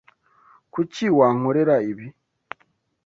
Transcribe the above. Kuki wankorera ibi?